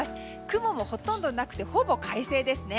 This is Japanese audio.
雲もほとんどなくてほぼ快晴ですね。